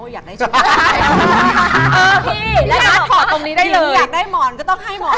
อย่างอยากได้หมอนก็ต้องให้หมอน